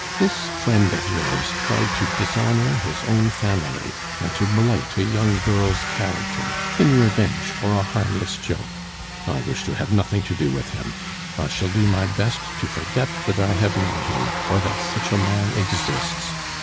This friend of yours tried to dishonor his own family, and to blight a young girl's character, in revenge for a harmless joke. I wish to have nothing to do with him; I shall do my best to forget that I have known him, or that such a man exists.